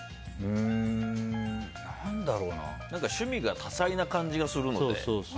趣味が多彩な感じがするので。